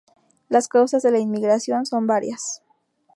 Las causas de la inmigración son varias.